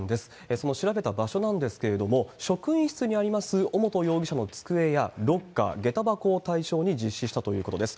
その調べた場所なんですけれども、職員室にあります尾本容疑者の机やロッカー、げた箱を対象に実施したということです。